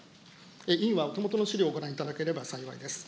委員はお手元の資料をご覧いただければ、幸いです。